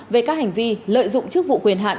về các hành vi lợi dụng chức vụ quyền hạn